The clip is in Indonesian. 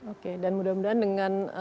oke dan mudah mudahan dengan